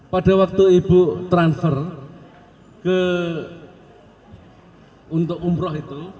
pada waktu ibu transfer untuk umroh itu